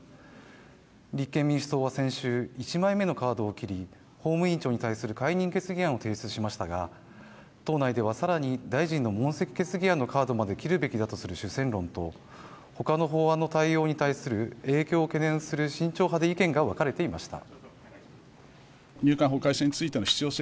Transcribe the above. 立憲民主党は先週１枚目のカードを切り、法務委員長に対する解任決議案を提出しましたが党内ではさらに大臣の問責決議案のカードまで切るべきだとする主戦論と、他の法案の対応に対する影響を懸念する慎重派で意見が分かれていました。